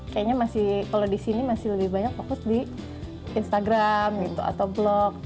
kayaknya masih kalau di sini masih lebih banyak fokus di instagram gitu atau blog